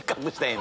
今。